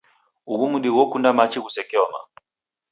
Ughu mdi ghokunda machi ghusekeoma.